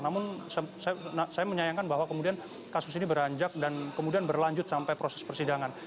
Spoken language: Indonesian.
namun saya menyayangkan bahwa kemudian kasus ini beranjak dan kemudian berlanjut sampai proses persidangan